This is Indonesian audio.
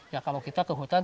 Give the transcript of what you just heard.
ya kalau kita ke hutan